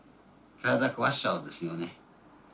体壊しちゃうですよね。